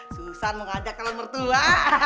susana mau ajak ke rumah tua